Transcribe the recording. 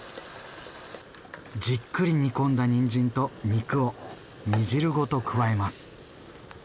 じっくり煮込んだにんじんと肉を煮汁ごと加えます。